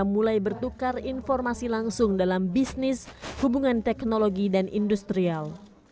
mulai bertukar informasi langsung dalam bisnis hubungan teknologi dan industrial